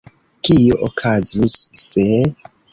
Kio okazus, se…